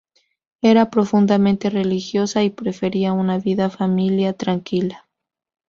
Era profundamente religiosa, y prefería una vida familia tranquila.